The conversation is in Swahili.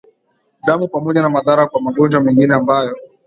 damu pamoja na madhara kwa magonjwa mengine ambayo